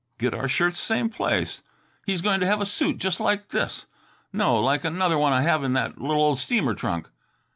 "Get our shirts same place; he's going to have a suit just like this no, like another one I have in that little old steamer trunk."